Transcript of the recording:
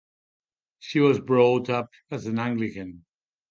She was brought up as an Anglican.